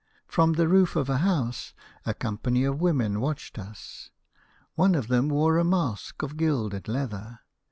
From the roof of a house a company of women watched us. One of them wore a mask of gilded leather.